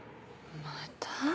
また？